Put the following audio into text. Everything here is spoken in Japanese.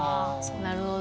なるほど。